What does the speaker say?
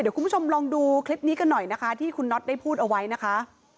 เดี๋ยวคุณผู้ชมลองดูคลิปนี้กันหน่อยนะคะที่คุณน็อตได้พูดเอาไว้นะคะ